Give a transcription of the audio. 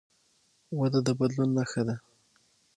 وده د بدلون نښه ده.